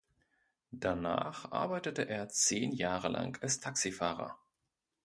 Danach arbeitete er zehn Jahre lang als Taxifahrer.